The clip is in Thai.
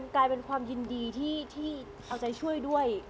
กลายเป็นความยินดีที่เอาใจช่วยด้วย